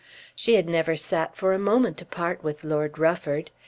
She had never sat for a moment apart with Lord Rufford.